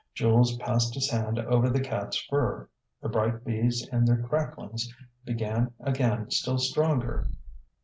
Jules passed his hand over the catŌĆÖs fur. The bright beads and their cracklings began again still stronger.